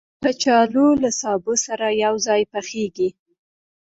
کچالو له سابه سره یو ځای پخېږي